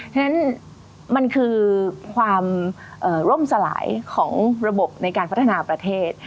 ฉะนั้นมันคือความร่มสลายของระบบในการพัฒนาประเทศ